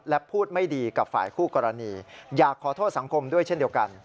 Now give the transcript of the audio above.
และพูดไม่ดีกับฝ่ายคู่กรณีอยากขอโทษสังคมด้วยเช่นเดียวกัน